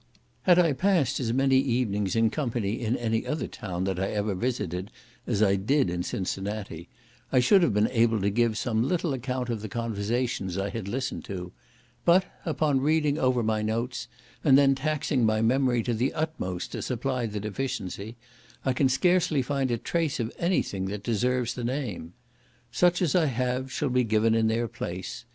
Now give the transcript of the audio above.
Had I passed as many evenings in company in any other town that I ever visited as I did in Cincinnati, I should have been able to give some little account of the conversations I had listened to; but, upon reading over my notes, and then taxing my memory to the utmost to supply the deficiency, I can scarcely find a trace of any thing that deserves the name. Such as I have, shall be given in their place.